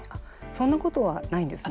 そんなことはないんですね。